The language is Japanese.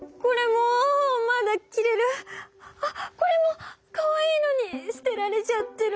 あっこれもかわいいのに捨てられちゃってる。